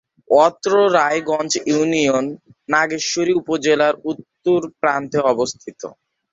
অত্র রায়গঞ্জ ইউনিয়ন নাগেশ্বরী উপজেলার উত্তর প্রান্তে অবস্থিত।